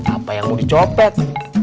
apa yang mau dicopet